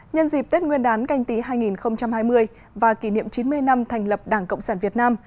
nhân dịp tết nguyên đán canh tí hai nghìn hai mươi và kỷ niệm chín mươi năm thành lập đảng cộng sản việt nam